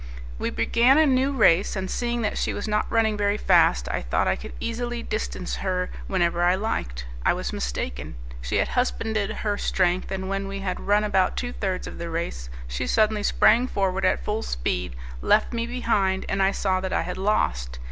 We began a new race, and seeing that she was not running very fast, I thought I could easily distance her whenever I liked. I was mistaken. She had husbanded her strength, and when we had run about two thirds of the race she suddenly sprang forward at full speed, left me behind, and I saw that I had lost.